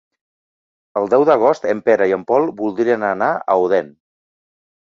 El deu d'agost en Pere i en Pol voldrien anar a Odèn.